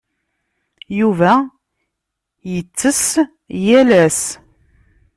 Yuba yettess yal ass.